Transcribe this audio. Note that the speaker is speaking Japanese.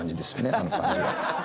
あの感じは。